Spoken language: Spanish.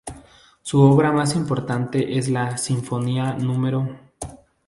Su obra más importante es la sinfonía No.